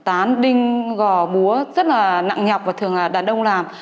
tán đinh gò búa rất là nặng nhọc và thường là đàn đông làm